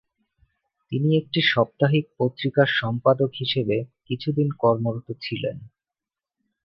তিনি একটি সাপ্তাহিক পত্রিকার সম্পাদক হিসেবে কিছুদিন কর্মরত ছিলেন।